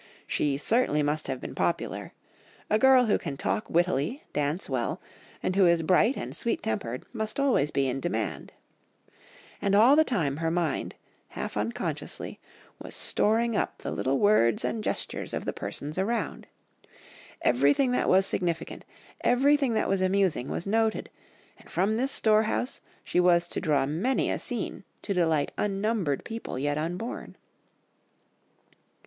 She certainly must have been popular; a girl who can talk wittily, dance well, and who is bright and sweet tempered must always be in demand. And all the time her mind, half unconsciously, was storing up the little words and gestures of the persons around. Everything that was significant, everything that was amusing was noted, and from this storehouse she was to draw many a scene to delight unnumbered people yet unborn.